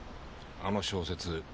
あの小説